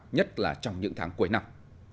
nhất là trong những tháng cuối năm